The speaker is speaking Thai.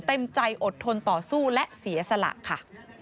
เต็มใจอดทนต่อสู้และเสียสละค่ะ